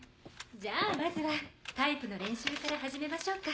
じゃあまずはタイプの練習から始めましょうか。